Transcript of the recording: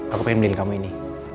aku pengen bikin kamu ini